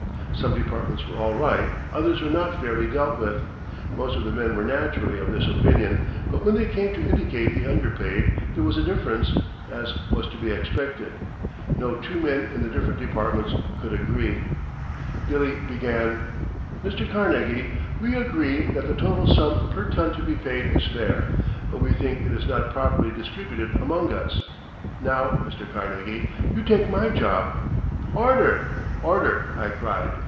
Some departments were all right, others were not fairly dealt with. Most of the men were naturally of this opinion, but when they came to indicate the underpaid, there was a difference, as was to be expected. No two men in the different departments could agree. Billy began: "Mr. Carnegie, we agree that the total sum per ton to be paid is fair, but we think it is not properly distributed among us. Now, Mr. Carnegie, you take my job " "Order, order!" I cried.